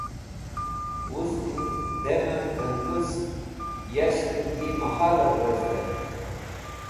Wuzẽm damv gangũs yashtẽv yi mehalr wezdẽ.